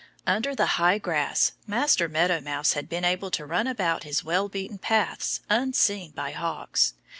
Under the high grass Master Meadow Mouse had been able to run about his well beaten paths unseen by hawks.